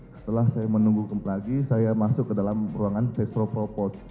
setelah saya menunggu kembali saya masuk ke dalam ruangan sesro proport